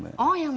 oh yang medium